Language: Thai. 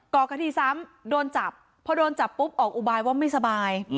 ก่อคดีซ้ำโดนจับพอโดนจับปุ๊บออกอุบายว่าไม่สบาย